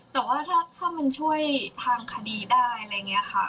แต่ว่าถ้ามันช่วยทางคดีได้อะไรอย่างนี้ค่ะ